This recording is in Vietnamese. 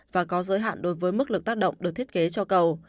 và có giới hạn đối với mức lực tác động được thiết kế cho cầu